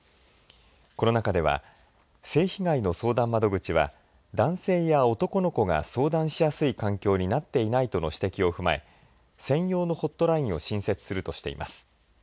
この中では性被害の相談窓口は男性や男の子が相談しやすい環境になっていないとの指摘を踏まえ専用のホットラインを新設するとしています。